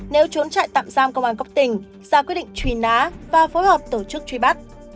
nếu trốn trại tạm giam công an cấp tỉnh ra quyết định trùy ná và phối hợp tổ chức trùy bắt